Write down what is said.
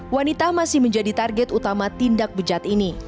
wanita masih menjadi target utama tindak bejat ini